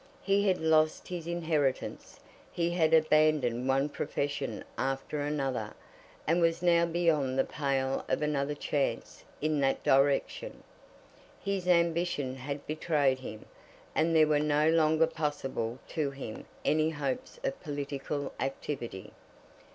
He had lost his inheritance. He had abandoned one profession after another, and was now beyond the pale of another chance in that direction. His ambition had betrayed him, and there were no longer possible to him any hopes of political activity.